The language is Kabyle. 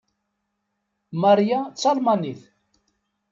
Mariya d talmanit.